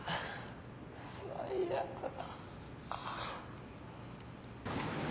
最悪だ。